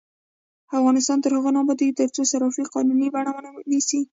افغانستان تر هغو نه ابادیږي، ترڅو صرافي قانوني بڼه ونه نیسي.